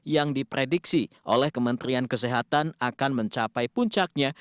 yang diprediksi oleh kementerian kesehatan akan mencapai puncaknya